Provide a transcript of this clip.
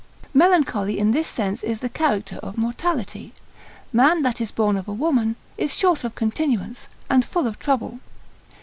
Melancholy in this sense is the character of mortality. Man that is born of a woman, is of short continuance, and full of trouble.